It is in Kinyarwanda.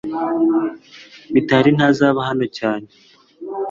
Mitari ntazaba hano cyane .